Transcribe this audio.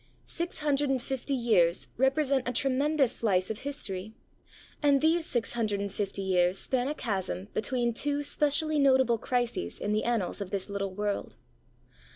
Six hundred and fifty years represent a tremendous slice of history; and these six hundred and fifty years span a chasm between two specially notable crises in the annals of this little world.